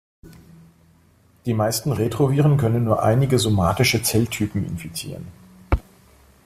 Die meisten Retroviren können nur einige somatische Zelltypen infizieren.